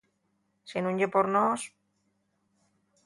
Si nun ye por nós…